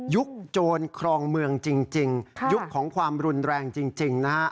โจรครองเมืองจริงยุคของความรุนแรงจริงนะฮะ